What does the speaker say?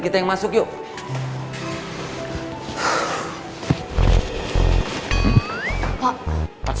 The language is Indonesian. kita sudah berubah parah